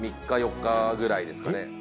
３日４日ぐらいですかね。